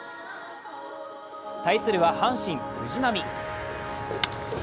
対するは阪神・藤浪。